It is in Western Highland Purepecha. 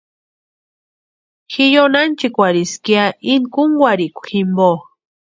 Ji yóni ánchikwarhiska ya íni kúnkwarhikwa jimpo.